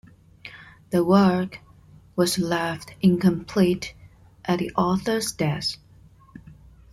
The work was left incomplete at the author's death.